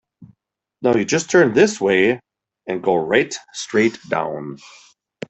Now you just turn this way and go right straight down.